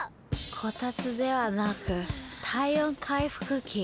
こたつではなく体温回復機。